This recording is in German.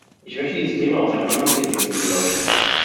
Ich möchte dieses Thema aus einem anderen Blickwinkel beleuchten.